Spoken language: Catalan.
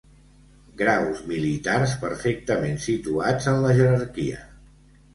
Graus militars perfectament situats en la jerarquia.